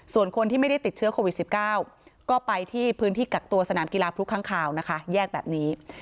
ส่วนคนที่ไม่ได้ติดเชื้อโควิด๑๙ก็ไปที่พื้นที่กักตัวสนามกีฬาพลุค้างคาวนะคะแยกแบบนี้